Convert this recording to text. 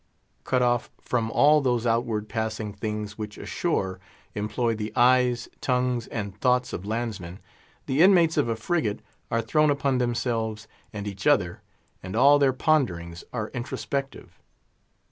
Cut off from all those outward passing things which ashore employ the eyes, tongues, and thoughts of landsmen, the inmates of a frigate are thrown upon themselves and each other, and all their ponderings are introspective.